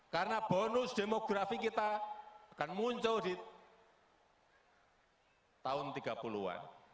karena bonus demografi kita akan muncul di tahun tiga puluh an